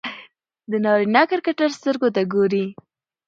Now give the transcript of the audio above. د نارينه کرکټر سترګو ته ګوري